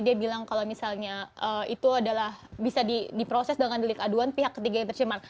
dia bilang kalau misalnya itu adalah bisa diproses dengan delik aduan pihak ketiga yang tercemar